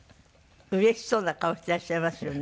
うれしそうな顔していらっしゃいますよね。